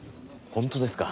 本当ですか！